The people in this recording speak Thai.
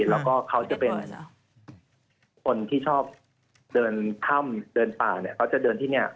แล้วก็เขาจะเป็นอะไรนะคนที่ชอบเดินถ้ำเดินป่าเนี่ยเขาจะเดินที่เนี่ย